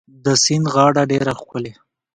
د سیند غاړه ډيره ښکلې